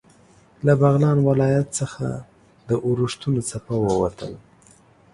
له بغلان ولایت څخه د اورښتونو څپه ووتل.